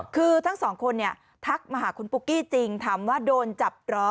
คือทั้งสองคนเนี่ยทักมาหาคุณปุ๊กกี้จริงถามว่าโดนจับเหรอ